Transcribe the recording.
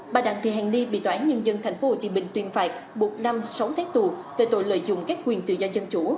bà đặng thị hàng ni bị tòa án nhân dân tp hcm tuyên phạt buộc năm sáu tháng tù về tội lợi dụng các quyền tự do dân chủ